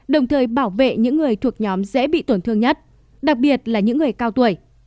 đồng thời bảo vệ những người thuộc nhóm dễ bị tổn thương nhất đặc biệt là những người cao tuổi